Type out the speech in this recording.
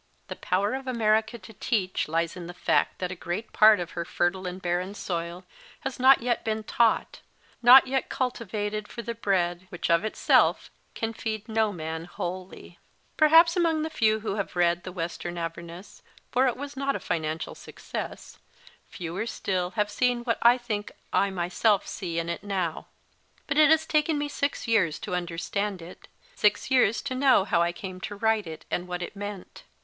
The power of America to teach lies in the fact that a great part of her fertile and barren soil has not yet been taught, not yet cultivated for the bread which of itself can feed no man wholly. MORLEY ROBERTS 191 Perhaps among the few who have read The Western Avernus Tor it was not a financial success), fewer still have seen what I think I myself see in it now. But it has taken me six years to understand it, six years to know how I came to write it, and what it meant.